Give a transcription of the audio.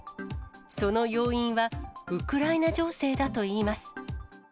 その要因は、ウクライナ情勢だといいます。